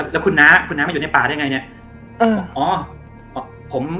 แล้วคุณน้าคุณน้ามาอยู่ในป่าได้ไงเนี่ย